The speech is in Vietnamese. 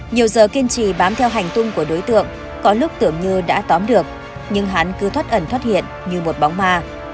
nhiều giờ kiên trì bám theo hành tung của đối tượng có lúc tưởng như đã tóm được nhưng hắn cứ thoát ẩn thoát hiện như một bóng ma